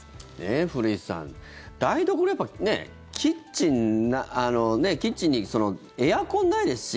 古市さん、台所キッチンにエアコンないですし